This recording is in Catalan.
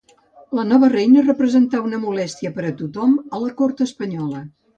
La nova reina representà una molèstia per a tothom a la cort espanyola.